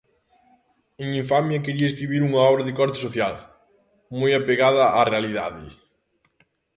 En Infamia quería escribir unha obra de corte social, moi apegada á realidade.